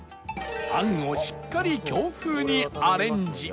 あんをしっかり京風にアレンジ